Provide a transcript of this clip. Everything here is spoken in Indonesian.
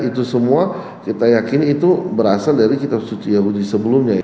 itu semua kita yakin itu berasal dari kitab suci yahudi sebelumnya